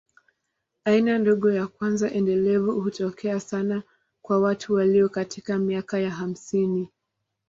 Aina ndogo ya kwanza endelevu hutokea sana kwa watu walio katika miaka ya hamsini.